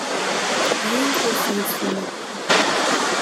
Being proceeds from the One.